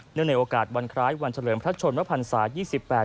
เนื่องในโอกาสวันคล้ายวันเฉลิมพระชนวภัณฑ์ศาสตร์